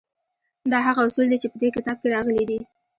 دا هغه اصول دي چې په دې کتاب کې راغلي دي